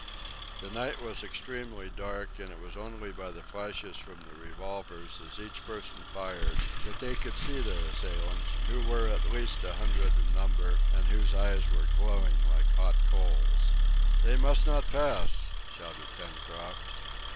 The night was extremely dark, it was only by the flashes from the revolvers as each person fired that they could see their assailants, who were at least a hundred in number, and whose eyes were glowing like hot coals. "They must not pass!" shouted Pencroft.